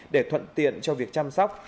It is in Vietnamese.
để thuận tiện cho việc chăm sóc